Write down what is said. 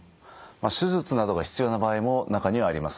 手術などが必要な場合も中にはあります。